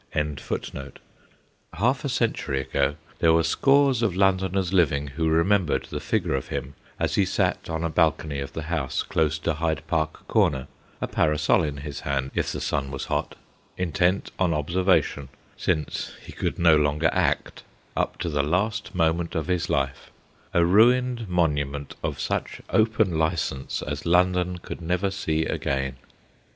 A FAMOUS SIGHT 59 there were scores of Londoners living who remembered the figure of him as he sat on a balcony of the house close to Hyde Park Corner, a parasol in his hand if the sun was hot, intent on observation since he could no longer act, up to the last moment of his life : a ruined monument of such open licence as London could never see again.